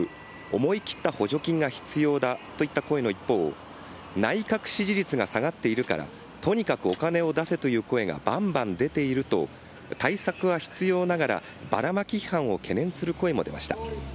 思い切った補助金が必要だといった声の一方、内閣支持率が下がっているから、とにかくお金を出せという声がばんばん出ていると、対策は必要ながら、バラマキ批判を懸念する声も出ました。